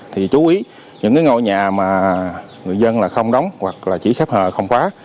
thì chú ý những cái ngôi nhà mà người dân là không đóng hoặc là chỉ xếp hờ không quá